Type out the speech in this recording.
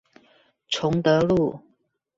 崇德路